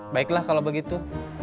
baiklah kalau begitu